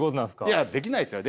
いやできないですよ。